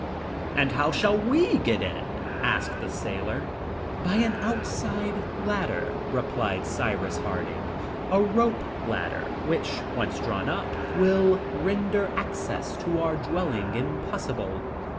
"And how shall we get in?" asked the sailor. "By an outside ladder," replied Cyrus Harding, "a rope ladder, which, once drawn up, will render access to our dwelling impossible."